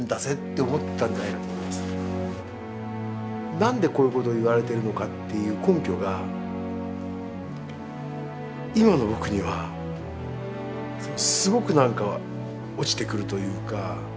何でこういうことを言われてるのかっていう根拠が今の僕にはすごく何か落ちてくるというか。